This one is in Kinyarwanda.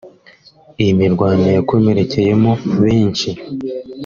Iyi mirwano yakomerekeyemo benshi